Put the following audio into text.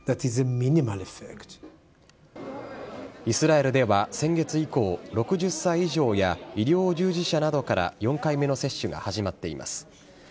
イスラエルでは先月以降、６０歳以上や医療従事者などから４回目の接種が始まっています。